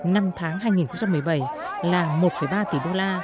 năm tháng hai nghìn một mươi bảy là một ba tỷ usd